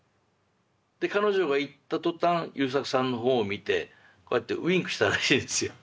で彼女が行った途端優作さんの方を見てこうやってウインクしたらしいんですよ。